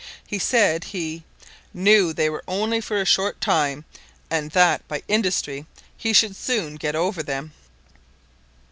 He said he "knew they were only for a short time, and that by industry he should soon get over them."